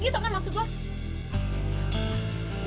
dia tuh emang masuk gue